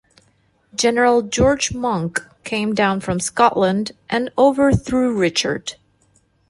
General George Monk came down from Scotland and overthrew Richard.